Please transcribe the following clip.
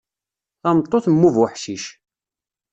Tameṭṭut mm ubuḥcic.